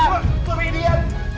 chào tạm biệt